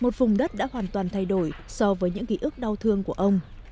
cùng đất đã hoàn toàn thay đổi so với những ký ức đau thương của ông